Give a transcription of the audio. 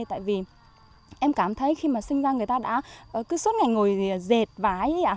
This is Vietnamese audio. tại vì em cảm thấy khi mà sinh ra người ta đã cứ suốt ngày ngồi diệt vải